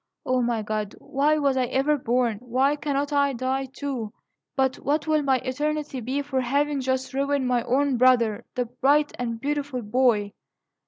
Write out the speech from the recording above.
O my God! why was I ever born? Why cannot I die, too? But what will my eternity be for having thus ruined my own brother, the bright and beautiful boy?